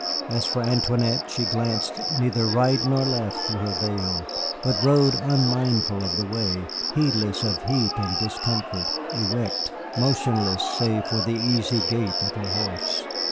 As for Antoinette, she glanced neither right nor left through her veil, but rode unmindful of the way, heedless of heat and discomfort, erect, motionless save for the easy gait of her horse.